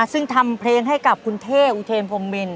ซึ่งทำเพลงให้กับคุณเท่อุเทนพรมมิน